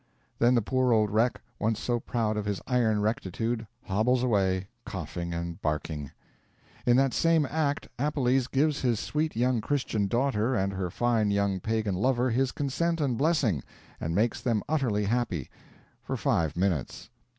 Then the poor old wreck, once so proud of his iron rectitude, hobbles away, coughing and barking. In that same act Appelles give his sweet young Christian daughter and her fine young pagan lover his consent and blessing, and makes them utterly happy for five minutes.